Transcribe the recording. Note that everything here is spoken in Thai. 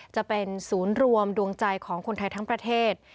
จะเป็นศูนย์รวมดวงใจของคนไทยทั้งประเทศ